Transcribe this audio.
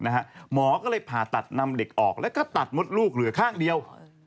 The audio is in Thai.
หมอก็เลยผ่าตัดนำเด็กออกแล้วก็ตัดมดลูกเหลือข้างเดียว